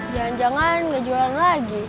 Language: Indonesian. jangan jangan nggak jualan lagi